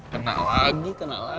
kena lagi kena lagi